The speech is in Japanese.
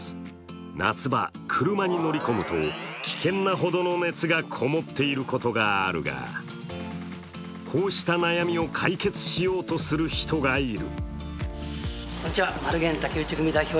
夏場、車に乗り込むと危険なほどの熱がこもっていることがあるがこうした悩みを解決しようとする人がいる。